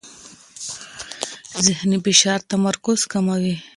ذهني فشار تمرکز کموي.